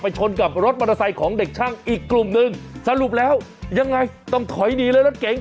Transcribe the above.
ชนกับรถมอเตอร์ไซค์ของเด็กช่างอีกกลุ่มหนึ่งสรุปแล้วยังไงต้องถอยหนีเลยรถเก๋ง